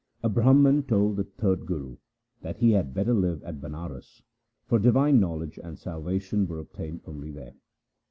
A Brahman told the third Guru that he had better live at Banaras, for divine knowledge and salvation were obtained only there.